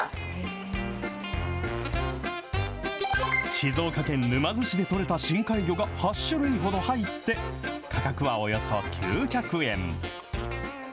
静岡県沼津市で取れた深海魚が８種類ほど入って、価格はおよそ９００円。